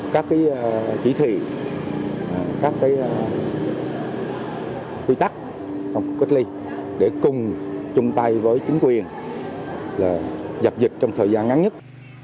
các cái chỉ thị các cái quy tắc trong khu cách ly để cùng chung tay với chính quyền là dập dịch trong thời gian ngắn nhất